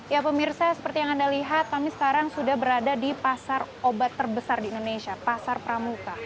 ya pemirsa seperti yang anda lihat kami sekarang sudah berada di pasar obat terbesar di indonesia pasar pramuka